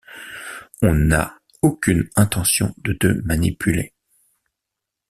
On a aucune intention de te manipuler.